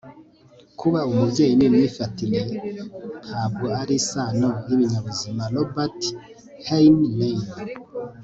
kuba umubyeyi ni imyifatire, ntabwo ari isano y'ibinyabuzima - robert a heinlein